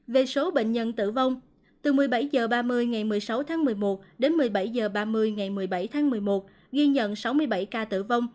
về số bệnh nhân tử vong từ một mươi bảy h ba mươi ngày một mươi sáu tháng một mươi một đến một mươi bảy h ba mươi ngày một mươi bảy tháng một mươi một ghi nhận sáu mươi bảy ca tử vong